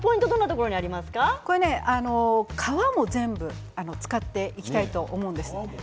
皮も全部、使っていきたいと思うんです。